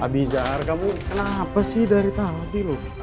abizar kamu kenapa sih dari tadi